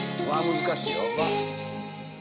難しいよ。